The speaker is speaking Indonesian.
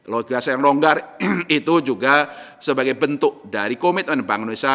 logika yang longgar itu juga sebagai bentuk dari komitmen bank indonesia